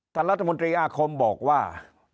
ท่านรัฐมนตรีอาคมบอกว่า